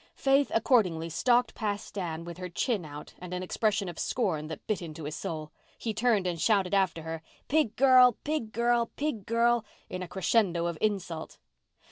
Faith accordingly stalked past Dan with her chin out and an expression of scorn that bit into his soul. He turned and shouted after her. "Pig girl! Pig girl!! Pig girl!!!" in a crescendo of insult.